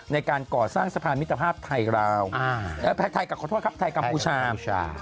ในการก่อสร้างสะพานมิตรภาพไทยราวไทยกลับขอโทษครับไทยกัมพูชา